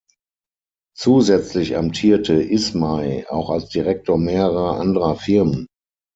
Zusätzlich amtierte Ismay auch als Direktor mehrerer anderer Firmen.